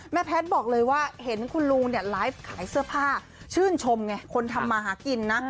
แพทย์บอกเลยว่าเห็นคุณลุงเนี่ยไลฟ์ขายเสื้อผ้าชื่นชมไงคนทำมาหากินนะ